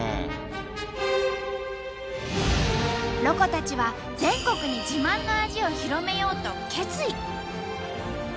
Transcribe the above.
ロコたちは全国に自慢の味を広めようと決意。